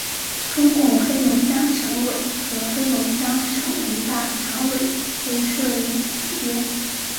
中共黑龙江省委和黑龙江省人大常委会设于此街。